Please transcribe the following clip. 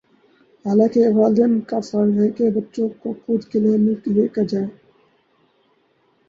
حالانکہ یہ والدین کافرض ہے بچوں کو خودکلینک لےکرجائیں۔